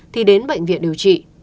thì đến bệnh viện điều trị